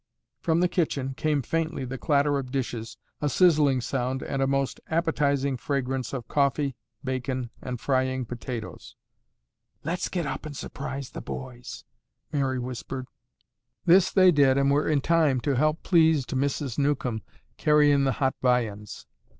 From the kitchen came faintly the clatter of dishes, a sizzling sound and a most appetizing fragrance of coffee, bacon and frying potatoes. "Let's get up and surprise the boys," Mary whispered. This they did and were in time to help pleased Mrs. Newcomb carry in the hot viands.